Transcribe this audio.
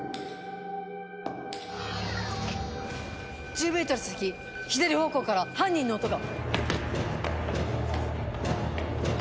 １０ｍ先左方向から犯人の音が！